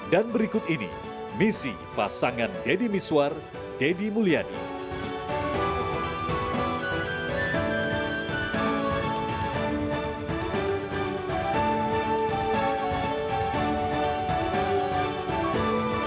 dan berikut ini misi pasangan t b hasanuddin anton carliat